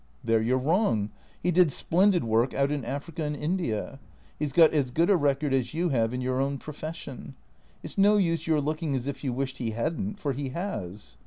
" There you 're wrong. He did splendid work out in Africa and India. He 's got as good a record as you have in your own profession. It's no use your looking as if you wished he hadn't, for he has."